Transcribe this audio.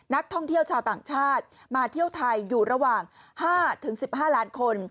นักท่องเที่ยวชาวต่างชาติมาเที่ยวไทยอยู่ระหว่าง๕๑๕ล้านคน